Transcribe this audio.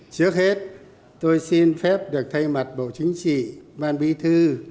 trước hết tôi xin phép được thay mặt bộ chính trị ban bí thư